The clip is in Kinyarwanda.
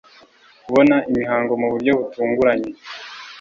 Kubona imihango mu buryo butunguranye